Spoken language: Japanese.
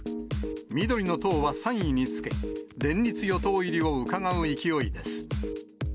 緑の党は３位につけ、連立与党入りをうかがう勢いです。